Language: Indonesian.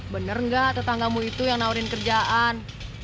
bener gak tetangga mu itu yang nawarin kerjaan